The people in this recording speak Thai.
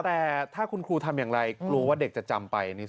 แต่ถ้าคุณครูทำอย่างไรกลัวว่าเด็กจะจำไป